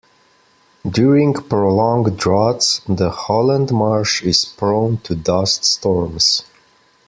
During prolonged droughts, the Holland Marsh is prone to dust storms.